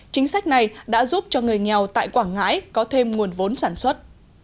chính sách này đã giúp cho người nghèo tại quảng ngãi có thêm nguồn vốn sản xuất